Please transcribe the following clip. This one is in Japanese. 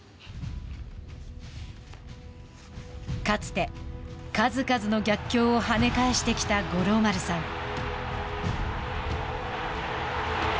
かつて、数々の逆境をはね返してきた五郎丸さん。